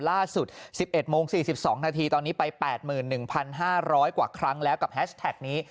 ล่าสุด๑๑โมง๔๒นาทีตอนนี้ไป๘๑๕๐๐กว่าครั้งแล้วกับแฮชแท็กนี้